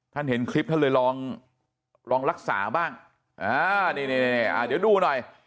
ท่านเห็นคลิปท่านเลยลองรักษาบ้างเดี๋ยวดูหน่อย